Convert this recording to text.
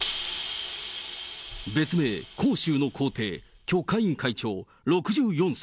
別名、広州の皇帝、許家印会長６４歳。